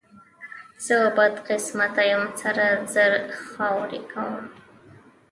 زه بدقسمته یم، سره زر خاورې کوم.